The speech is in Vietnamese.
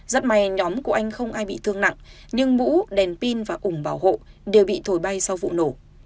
rất may nhóm của anh không ai bị thương nặng nhưng mũ đèn pin và ủng bảo hộ đều bị thổi bay sau vụ nổ